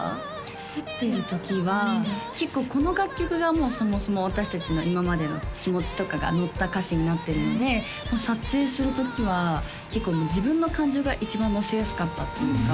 撮ってる時は結構この楽曲がもうそもそも私達の今までの気持ちとかがのった歌詞になってるので撮影する時は結構自分の感情が一番のせやすかったっていうか